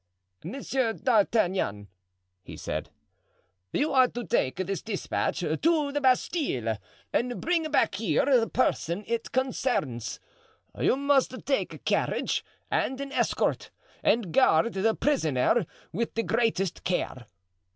"Monsieur d'Artagnan," he said, "you are to take this dispatch to the Bastile and bring back here the person it concerns. You must take a carriage and an escort, and guard the prisoner with the greatest care."